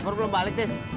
si fur belum balik tis